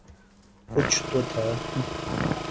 کچھ تو تھا۔